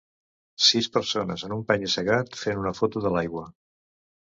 Sis persones en un penya-segat fent una foto de l'aigua.